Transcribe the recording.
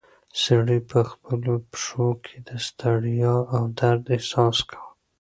سړی په خپلو پښو کې د ستړیا او درد احساس کاوه.